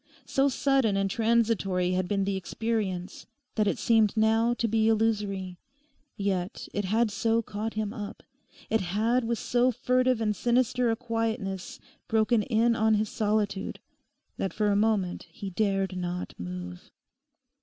So sudden and transitory had been the experience that it seemed now to be illusory; yet it had so caught him up, it had with so furtive and sinister a quietness broken in on his solitude, that for a moment he dared not move.